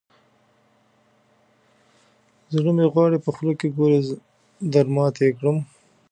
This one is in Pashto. زړه مې غواړي، په خوله کې ګوړې درماتې کړم.